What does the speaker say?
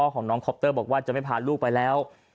ข้อของคลุบเตอร์บอกว่าจะไม่พาน้องพี่ไปแล้ว